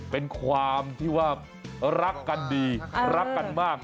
เป็นความที่ว่ารักกันดีรักกันมาก